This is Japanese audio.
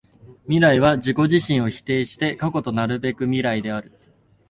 未来は自己自身を否定して過去となるべく未来である。